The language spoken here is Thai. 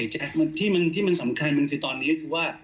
ใช่ที่มันสำคัญตอนนี้คือว่า